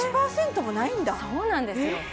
１％もないんだそうなんですよ